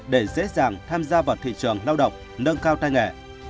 để dễ dàng tham gia vào thị trường lao động nâng cao tay nghề